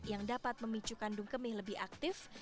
yang dapat memicu kandung kemih lebih aktif